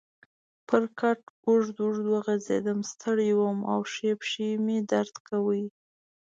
پر کټ اوږد اوږد وغځېدم، ستړی وم او ښۍ پښې مې درد کاوه.